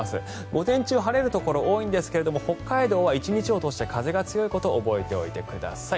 午前中晴れるところ多いんですが北海道は１日を通して風が強いことを覚えておいてください。